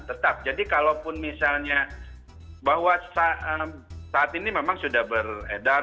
tetap jadi kalaupun misalnya bahwa saat ini memang sudah beredar